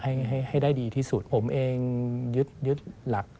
ให้ได้ดีที่สุดผมเองยึดหลัก